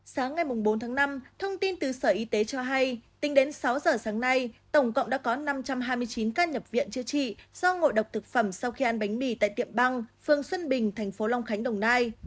sáng ngày bốn tháng năm thông tin từ sở y tế cho hay tính đến sáu giờ sáng nay tổng cộng đã có năm trăm hai mươi chín ca nhập viện chữa trị do ngộ độc thực phẩm sau khi ăn bánh mì tại tiệm băng phương xuân bình thành phố long khánh đồng nai